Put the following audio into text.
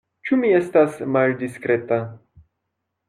Ĉu mi estas maldiskreta?